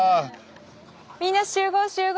みんな集合集合！